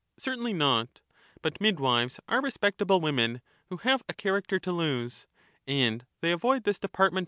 Certainly not ; but midwives are respectable women Theaetttus, who have a character to lose, and they avoid this department sooute*.